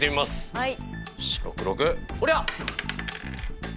はい。